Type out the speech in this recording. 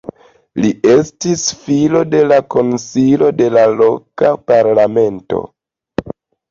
Li estis filo de konsilisto de la loka parlamento.